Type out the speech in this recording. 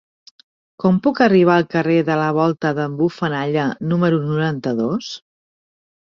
Com puc arribar al carrer de la Volta d'en Bufanalla número noranta-dos?